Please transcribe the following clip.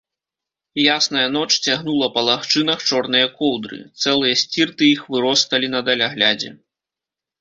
Ясная ноч цягнула па лагчынах чорныя коўдры, цэлыя сцірты іх выросталі на даляглядзе.